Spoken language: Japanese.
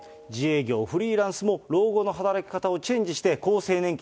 自営業、フリーランスも老後の働き方をチェンジして。